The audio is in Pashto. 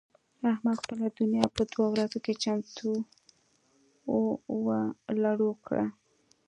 احمد خپله دونيا په دوو ورځو کې چټو و لړو کړه.